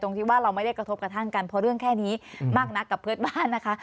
ที่ว่าเราไม่ได้กระทบกระทั่งกันเพราะเรื่องแค่นี้มากนักกับเพื่อนบ้านนะคะ